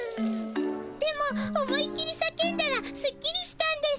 でも思いっきり叫んだらすっきりしたんです。